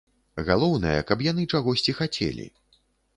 Галоўнае, каб яны чагосьці хацелі.